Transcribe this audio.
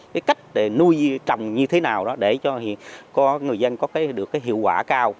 cái cách để nuôi trồng như thế nào đó để cho người dân có được hiệu quả